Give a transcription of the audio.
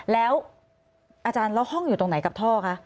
แล้วอาจารย์แล้วห้องอยู่ตรงไหนกับท่อคะ